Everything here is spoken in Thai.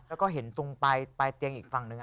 แล้วก็เห็นตรงปลายเตียงอีกฝั่งหนึ่ง